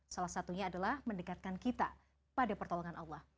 salah satunya adalah mendekatkan kita pada pertolongan allah